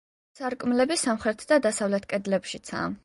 სარკმლები სამხრეთ და დასავლეთ კედლებშიცაა.